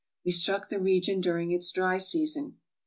We struck the region during its dry season.